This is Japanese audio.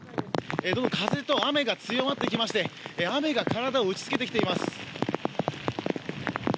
風と雨が強まってきまして雨が体を打ち付けてきています。